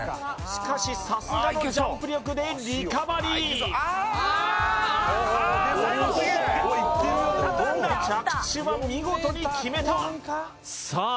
しかしさすがのジャンプ力でリカバリー着地は見事に決めたさあ